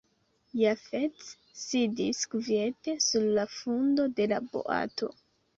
Jafet sidis kviete sur la fundo de la boato.